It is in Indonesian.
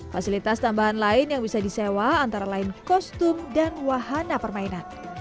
fasilitas tambahan lain yang bisa disewa antara lain kostum dan wahana permainan